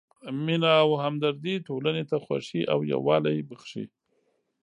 مینه او همدردي ټولنې ته خوښي او یووالی بښي.